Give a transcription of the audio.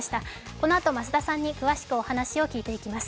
このあと増田さんに詳しくお話を聞いていきます。